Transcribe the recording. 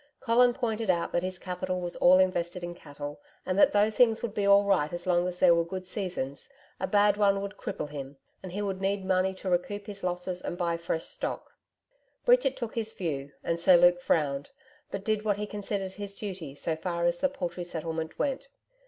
Colin pointed out that his capital was all invested in cattle, and that though things would be all right as long as there were good seasons, a bad one would cripple him, and he would need money to recoup his losses and buy fresh stock. Bridget took his view and Sir Luke frowned, but did what he considered his duty so far as the paltry settlement went.